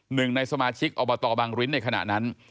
หนึ่งในสมาชิกอบตบังริ้นในขณะนั้น